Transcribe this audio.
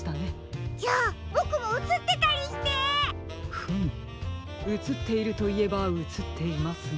フムうつっているといえばうつっていますが。